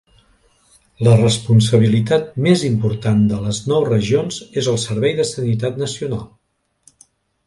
La responsabilitat més important de les nou regions és el servei de sanitat nacional.